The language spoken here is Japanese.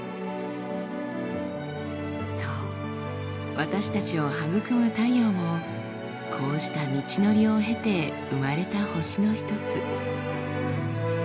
そう私たちを育む太陽もこうした道のりを経て生まれた星の一つ。